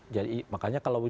jadi makanya kalau